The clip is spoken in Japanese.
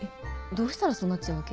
どうしたらそうなっちゃうわけ？